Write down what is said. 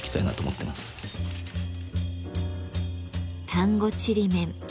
丹後ちりめん。